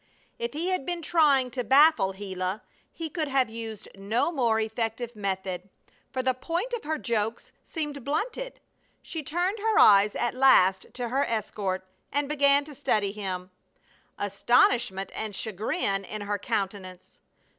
If he had been trying to baffle Gila he could have used no more effective method, for the point of her jokes seemed blunted. She turned her eyes at last to her escort and began to study him, astonishment and chagrin in her countenance.